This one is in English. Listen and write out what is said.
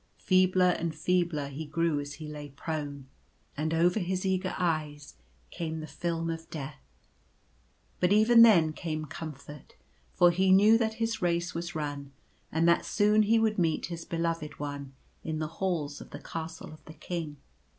Feebler and feebler he grew as he lay prone ; and over his eager eyes came the film of death. But even then came comfort ; for he knew that his race was run, and that soon he would meet his Beloved One in the Halls of the Castle of the King.